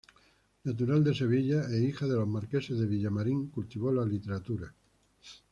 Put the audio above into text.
Natural de Sevilla e hija de los marqueses de Villamarín, cultivó la literatura.